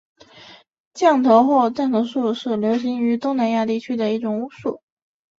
降头或降头术是流行于东南亚地区的一种巫术。